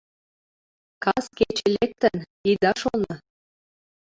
Кас кече лектын, ида шоно -